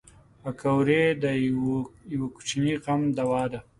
پکورې د یوه کوچني غم دوا ده